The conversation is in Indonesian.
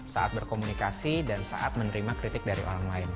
saat berkomunikasi dan saat menerima kritik dari orang lain